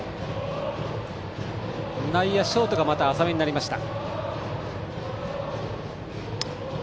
ショートが浅めになりました。